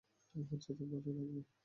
আমার যেতে ভালোই লাগবে।